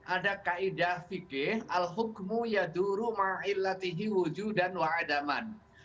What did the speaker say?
ada kaedah fikir al hukmu yaduru ma'ilatihi wujudan wa'adaman